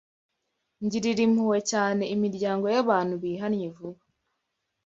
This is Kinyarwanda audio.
Ngirira impuhwe cyane imiryango y’abantu bihannye vuba,